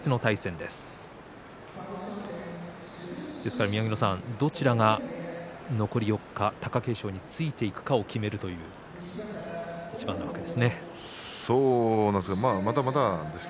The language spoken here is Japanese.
ですから、宮城野さんどちらが残り４日貴景勝についていくかを決める一番になりますね。